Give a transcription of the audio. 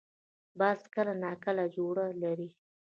باز کله نا کله جوړه لري